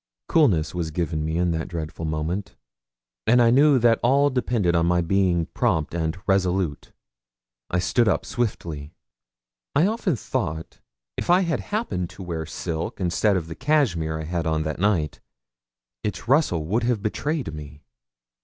Coolness was given me in that dreadful moment, and I knew that all depended on my being prompt and resolute. I stood up swiftly. I often thought if I had happened to wear silk instead of the cachmere I had on that night, its rustle would have betrayed me.